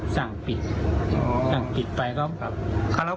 ใช่ครับ